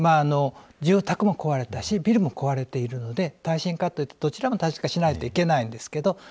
住宅も壊れたしビルも壊れているので耐震化というとどちらも耐震化しないといけないんですけど